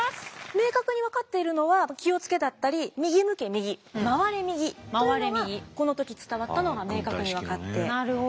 明確に分かっているのは「きをつけ」だったり「右向け右」「回れ右」というのがこの時伝わったのが明確に分かってはい。